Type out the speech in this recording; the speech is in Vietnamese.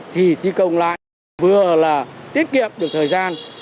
thì thi công lại vừa là tiết kiệm được thời gian